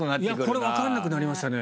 これ分かんなくなりましたね。